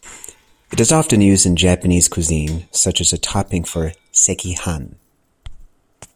It is often used in Japanese cuisine, such as a topping for "sekihan".